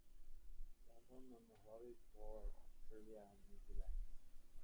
Clapham and Horridge toured Australia and New Zealand.